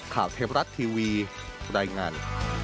ข่าวเทพรัฐทีวีรายงาน